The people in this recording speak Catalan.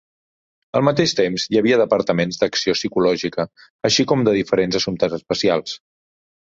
Al mateix temps hi havia departaments d'acció psicològica, així com de diferents assumptes especials.